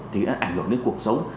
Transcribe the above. thì nó ảnh hưởng đến cuộc sống